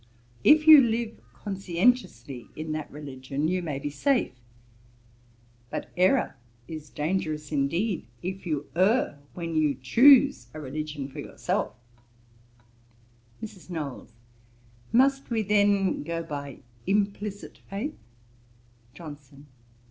If you live conscientiously in that religion, you may be safe. But errour is dangerous indeed, if you err when you choose a religion for yourself.' MRS. KNOWLES. 'Must we then go by implicit faith?' JOHNSON.